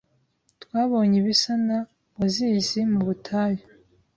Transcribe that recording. Twabonye ibisa na oasisi mu butayu.